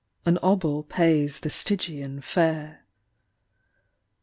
An obol pays the Stygian fare.